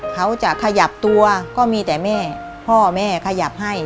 เขาจะขยับตัวก็มีแต่แม่พ่อแม่ขยับให้